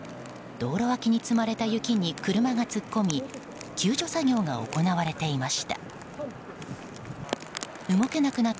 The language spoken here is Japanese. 道路脇に積まれた雪に車が突っ込み救助作業が行われていました。